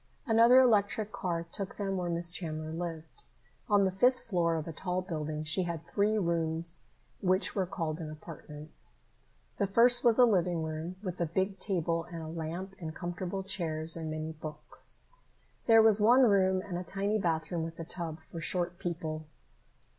Another electric car took them where Miss Chandler lived. On the fifth floor of a tall building, she had three rooms which were called an apartment. The first was a living room, with a big table and a lamp and comfortable chairs and many books. There was one bedroom and a tiny bathroom with a tub for short people.